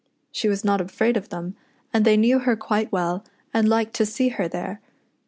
She was not afraid of them, and they knew her quite well, and liked to see her there.